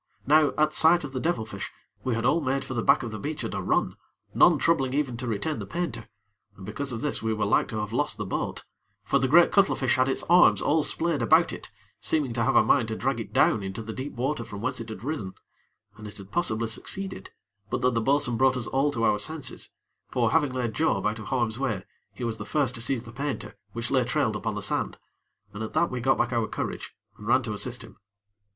Now, at sight of the devil fish, we had all made for the back of the beach at a run, none troubling even to retain the painter, and because of this, we were like to have lost the boat; for the great cuttlefish had its arms all splayed about it, seeming to have a mind to drag it down into the deep water from whence it had risen, and it had possibly succeeded, but that the bo'sun brought us all to our senses; for, having laid Job out of harm's way, he was the first to seize the painter, which lay trailed upon the sand, and, at that, we got back our courage and ran to assist him.